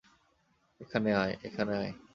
এখানে আয়, এখানে আয়।